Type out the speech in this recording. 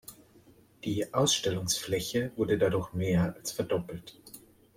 Die Ausstellungsfläche wurde dadurch mehr als verdoppelt.